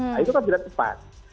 nah itu kan tidak tepat